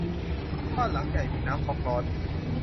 บ้านหลังใหญ่มีน้ำก๊อกร้อน